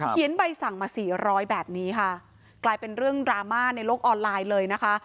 ใบสั่งมาสี่ร้อยแบบนี้ค่ะกลายเป็นเรื่องดราม่าในโลกออนไลน์เลยนะคะ